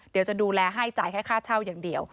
เดี๋ยวจะดูแลให้จ่ายแค่ค่าเช่าอย่างเดียว